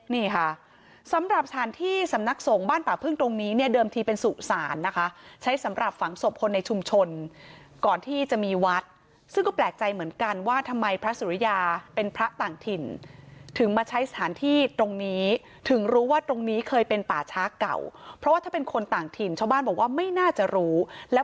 นี่ค่ะสำหรับสถานที่สำนักสงฆ์บ้านป่าพึ่งตรงนี้เนี่ยเดิมทีเป็นสุสานนะคะใช้สำหรับฝังศพคนในชุมชนก่อนที่จะมีวัดซึ่งก็แปลกใจเหมือนกันว่าทำไมพระสุริยาเป็นพระต่างถิ่นถึงมาใช้สถานที่ตรงนี้ถึงรู้ว่าตรงนี้เคยเป็นป่าช้าเก่าเพราะว่าถ้าเป็นคนต่างถิ่นชาวบ้านบอกว่าไม่น่าจะรู้แล้ว